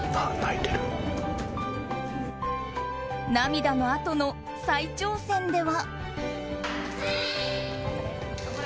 涙のあとの再挑戦では。